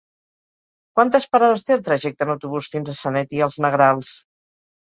Quantes parades té el trajecte en autobús fins a Sanet i els Negrals?